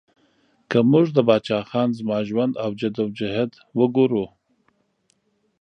که موږ د پاچا خان زما ژوند او جد او جهد وګورو